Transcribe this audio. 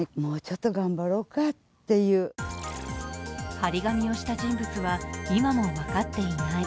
張り紙をした人物は今も分かっていない。